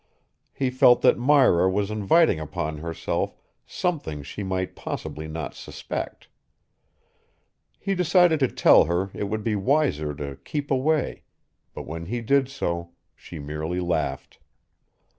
He felt that Myra was inviting upon herself something she might possibly not suspect. He decided to tell her it would be wiser to keep away; but when he did so, she merely laughed.